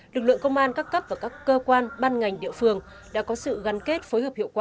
lực lượng công an các cấp và các cơ quan ban ngành địa phương đã có sự gắn kết phối hợp hiệu quả